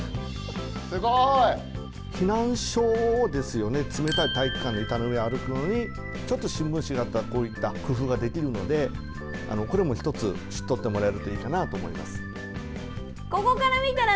すごい！避難所ですよね冷たい体育館の板の上歩くのにちょっと新聞紙があったらこういった工夫ができるのでこれも一つ知っとってもらえるといいかなぁと思います。